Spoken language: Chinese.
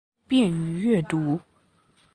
便于阅读